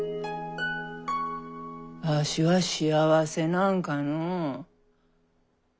わしは幸せなんかのう。